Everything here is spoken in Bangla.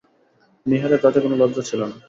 নীহারের তাতে কোনো লজ্জা ছিল না।